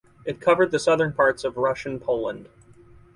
It covered the southern parts of Russian Poland.